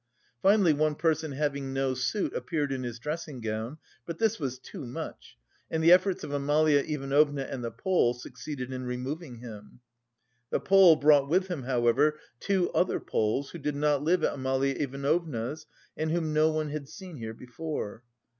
Finally one person having no suit appeared in his dressing gown, but this was too much, and the efforts of Amalia Ivanovna and the Pole succeeded in removing him. The Pole brought with him, however, two other Poles who did not live at Amalia Ivanovna's and whom no one had seen here before.